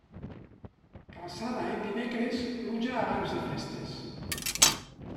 Calçada en dimecres, pluja abans de festes.